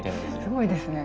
すごいですね。